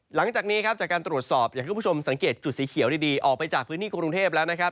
หลังจากนี้ครับจากการตรวจสอบอยากให้คุณผู้ชมสังเกตจุดสีเขียวดีออกไปจากพื้นที่กรุงเทพแล้วนะครับ